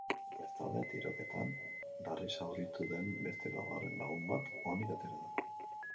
Bestalde, tiroketan larrizauritu den beste laugarren lagun bat onik atera da.